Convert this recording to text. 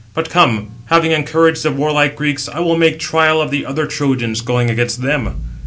But come, having encouraged the warlike Greeks, I will make trial of the other Trojans, going against them."